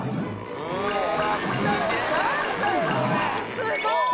すごい！